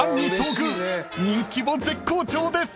［人気も絶好調です］